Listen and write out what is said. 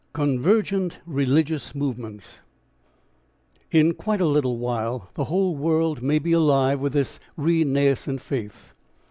CONVERGENT RELIGIOUS MOVEMENTS In quite a little while the whole world may be alive with this renascent faith.